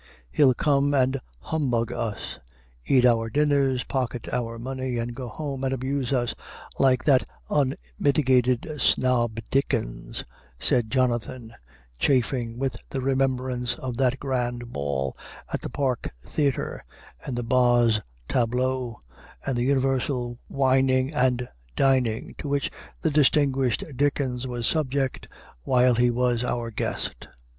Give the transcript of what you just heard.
"He'll come and humbug us, eat our dinners, pocket our money, and go home and abuse us, like that unmitigated snob Dickens," said Jonathan, chafing with the remembrance of that grand ball at the Park Theater and the Boz tableaux, and the universal wining and dining, to which the distinguished Dickens was subject while he was our guest.